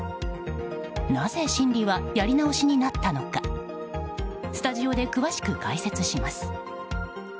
なぜ審理はやり直しになったのかスタジオで詳しく解説します。